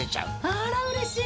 あらうれしい。